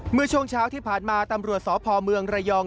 เมื่อช่วงเช้าที่ผ่านมาตำรวจสพเมืองระยอง